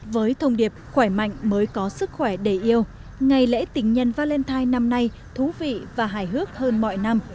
với thông điệp khỏe mạnh mới có sức khỏe để yêu ngày lễ tình nhân valentine năm nay thú vị và hài hước hơn mọi năm